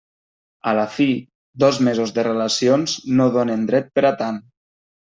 A la fi, dos mesos de relacions no donen dret per a tant.